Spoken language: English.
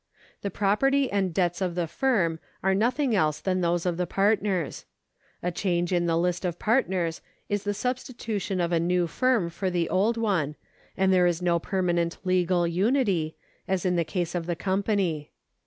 The property and debts of the firm are nothing else than those of the partners, A change in the list of partners is the substitution of a new firm for the old one, and there is no permanent legal unity, as in the case of the company.